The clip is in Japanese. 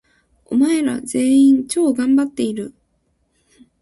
お前ら、全員、超がんばっている！！！